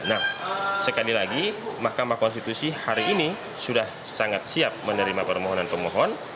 nah sekali lagi mahkamah konstitusi hari ini sudah sangat siap menerima permohonan pemohon